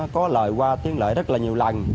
có lời qua tiếng lời rất là nhiều lần